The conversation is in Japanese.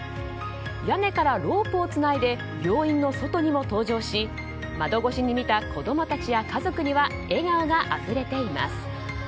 屋根からロープをつないで病院の外にも登場し窓越しに見た子供たちや家族には笑顔があふれています。